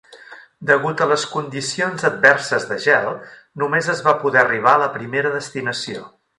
Degut a les condicions adverses de gel, només es va poder arribar a la primera destinació.